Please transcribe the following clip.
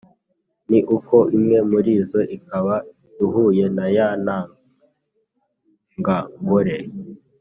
ni uko imwe murizo ikaba ihuye na ya ntangangore,